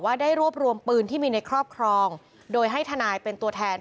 ได้รวบรวมปืนที่มีในครอบครองโดยให้ทนายเป็นตัวแทน